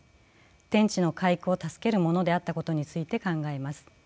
天地の化育を助けるものであったことについて考えます。